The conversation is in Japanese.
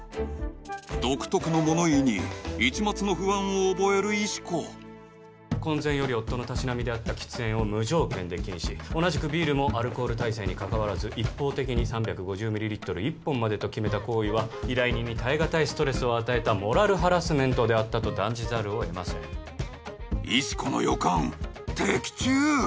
独特の物言いに一抹の不安を覚える石子婚前より夫のたしなみであった喫煙を無条件で禁止同じくビールもアルコール耐性にかかわらず一方的に３５０ミリリットル１本までと決めた行為は依頼人に耐えがたいストレスを与えたモラルハラスメントであったと断じざるを得ません石子の予感的中